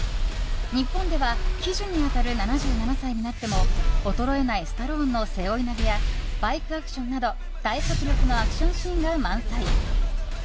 日本では喜寿に当たる７７歳になっても衰えないスタローンの背負い投げやバイクアクションなど大迫力のアクションシーンが満載。